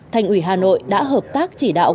thành ủy hà nội đã hợp tác chỉ đạo